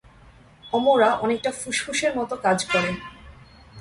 অমরা অনেকটা ফুসফুসের মতো কাজ করে।